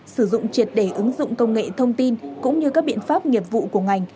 sử dụng triệt để ứng dụng công nghệ thông tin cũng như các biện pháp nghiệp vụ của ngành